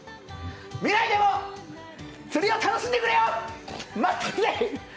未来でも釣りを楽しんでくれよ。